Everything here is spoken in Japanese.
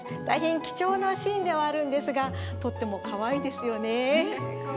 大変貴重なシーンではあるんですがとってもかわいいですよね。